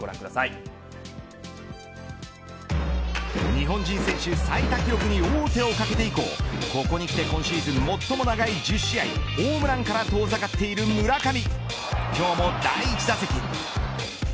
三冠王に向けて今日はこの打率に日本人選手最多記録に王手をかけて以降ここに来て今シーズン最も長い１０試合ホームランから遠ざかっている村上。